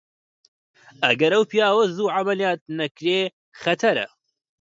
ئەگەر ئەو پیاوە زوو عەمەلیات نەکرێ خەتەرە!